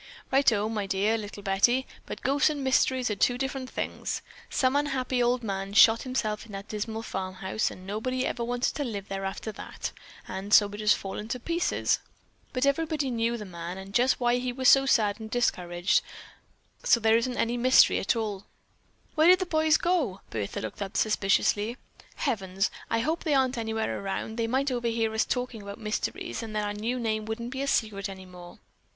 "Righto, my dear little Betty, but ghosts and mysteries are two different things. Some unhappy old man shot himself in that dismal farmhouse and nobody ever wanted to live there after that; and so it has just fallen to pieces. But everybody knew the old man and just why he was so sad and discouraged, and so there isn't any mystery to it at all, at all." "Where did the boys go?" Bertha looked up suspiciously. "Heavens, I hope they aren't anywhere around. They might overhear us talking about mysteries and then our new name wouldn't be secret any more."